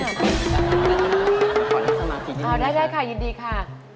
ขอให้สมาธินิดนึงนะคะอ๋อได้ค่ะยินดีค่ะ